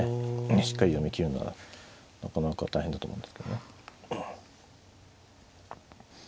しっかり読み切るのはなかなか大変だと思うんですけどね。